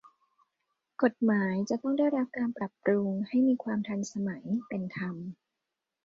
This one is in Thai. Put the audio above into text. กฎหมายจะต้องได้รับการปรับปรุงให้มีความทันสมัย เป็นธรรม